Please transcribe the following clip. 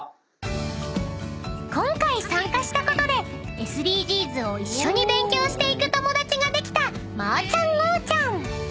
［今回参加したことでＳＤＧｓを一緒に勉強していく友達ができたまーちゃんおーちゃん］